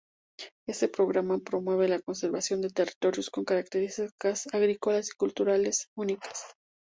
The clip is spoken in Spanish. Este programa promueve la conservación de territorios con características agrícolas y culturales únicas.